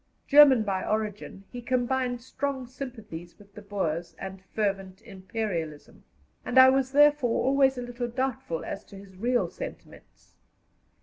German by origin, he combined strong sympathies with the Boers and fervent Imperialism, and I was therefore always a little doubtful as to his real sentiments.